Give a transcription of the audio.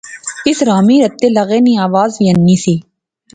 اس رمبی ریتی لغے نی آواز وی اینی سی